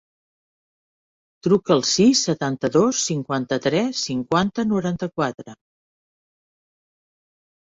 Truca al sis, setanta-dos, cinquanta-tres, cinquanta, noranta-quatre.